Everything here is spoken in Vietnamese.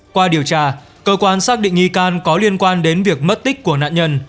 qua điều tra cơ quan xác định nghi can có liên quan đến việc mất tích của nạn nhân